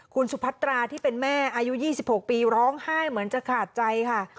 คุณสุพัตราที่เป็นแม่อายุ๒๖ปีร้องไห้เหมือนจะขาดใจค่ะ